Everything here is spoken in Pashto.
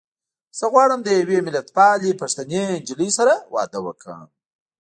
زه غواړم له يوې ملتپالې پښتنې نجيلۍ سره واده کوم.